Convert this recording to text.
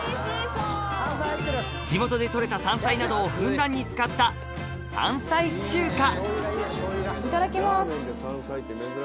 地元で採れた山菜などをふんだんに使ったいただきます！